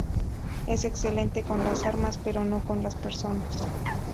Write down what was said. Es excelente con las armas, pero no con las personas.